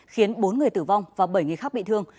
khiến bốn người tử vong và bảy người khác bị thương